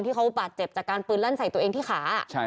ที่เขาบาดเจ็บจากการปืนลั่นใส่ตัวเองที่ขา